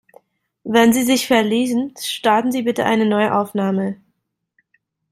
Wenn Sie sich verlesen, starten Sie bitte eine neue Aufnahme.